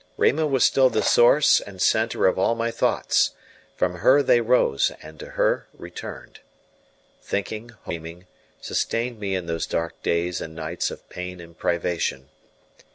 Rima was still the source and centre of all my thoughts; from her they rose, and to her returned. Thinking, hoping, dreaming, sustained me in those dark days and nights of pain and privation.